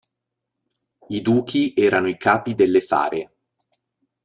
I duchi erano i capi delle fare.